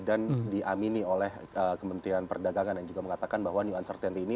dan diamini oleh kementerian perdagangan yang juga mengatakan bahwa new uncertainty ini